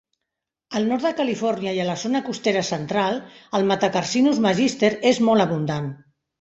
Al nord de Califòrnia i a la zona costera central, el "Metacarcinus magister" és molt abundant.